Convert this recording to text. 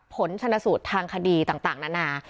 ผลชนสูตรทางคดีต่างนานา